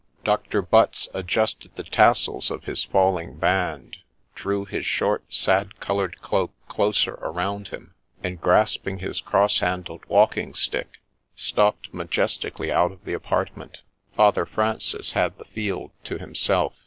Doctor Butts adjusted the tassels of his falling band ; drew his short sad coloured cloak closer around him ; and, grasping his cross handled walking staff, stalked majestically out of the apart ment. Father Francis had the field to himself.